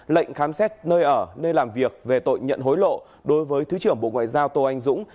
lệnh khám xét nơi ở nơi làm việc về tội nhận hối lộ đối với thứ trưởng bộ ngoại giao tô anh dũng